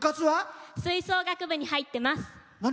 吹奏楽部に入ってます。